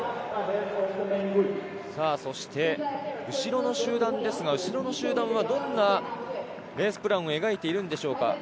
そして後ろの集団ですが、どんなレースプランを描いているんでしょうか？